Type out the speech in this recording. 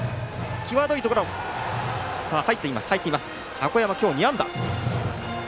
箱山、今日２安打。